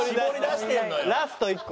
ラスト１個。